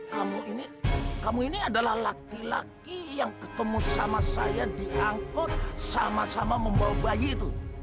kamu ini kamu ini adalah laki laki yang ketemu sama saya diangkut sama sama membawa bayi itu